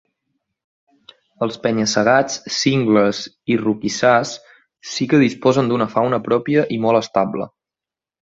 Els penya-segats, cingles i roquissars sí que disposen d'una fauna pròpia i molt estable.